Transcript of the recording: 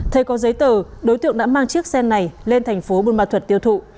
thay có giấy tờ đối tượng đã mang chiếc xe này lên thành phố bùn bà thuật tiêu thụ